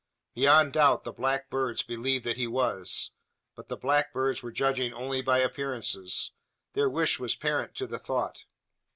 Beyond doubt, the black birds believed that he was. But the black birds were judging only by appearances. Their wish was parent to the thought.